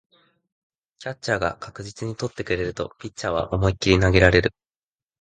キャッチャーが確実に捕ってくれるとピッチャーは思いっきり投げられる